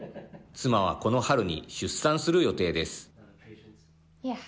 妻はこの春に出産する予定です。